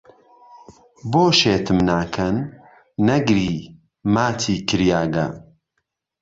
بۆ شێتم ناکهن، نهگری، ماچی کریاگه